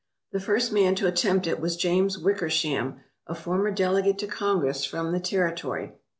The first man to attempt it was James Wickersham, a former delegate to Congress from the territory.